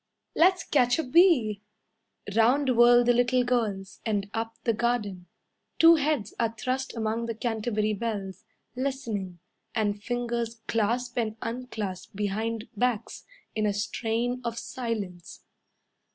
"Let's catch a bee." Round whirl the little girls, And up the garden. Two heads are thrust among the Canterbury bells, Listening, And fingers clasp and unclasp behind backs In a strain of silence.